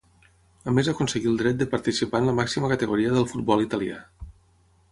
A més aconseguí el dret de participar en la màxima categoria del futbol italià.